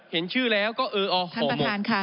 เห็นชื่อแล้วก็เอออ๋อห่อหมด